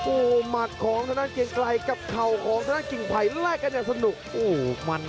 โอ้มักของเทศนาเกียงไกลกับเข่าของเทศนาเกียงไผ่แลกกันอย่างสนุก